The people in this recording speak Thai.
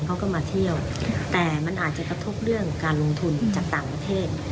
เขาก็มาเที่ยวแต่มันอาจจะกระทบเรื่องการลงทุนจากต่างประเทศ